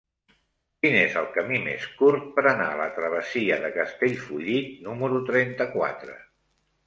Quin és el camí més curt per anar a la travessia de Castellfollit número trenta-quatre?